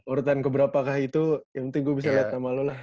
urutan keberapakah itu yang penting gue bisa lihat nama lo lah